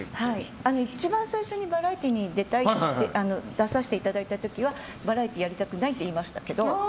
一番最初にバラエティーに出させていただいた時はバラエティーやりたくないって言いましたけど。